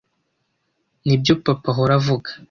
Nibyo papa ahora avuga.